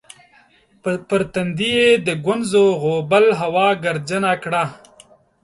پر تندي یې د ګونځو غوبل هوا ګردجنه کړه